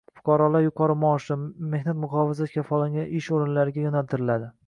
Fuqarolar yuqori maoshli, mehnat muhofazasi kafolatlangan ish o‘rinlariga yo‘naltiriladi